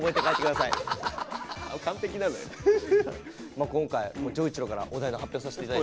まあ今回丈一郎からお題の発表させて頂いていいですか。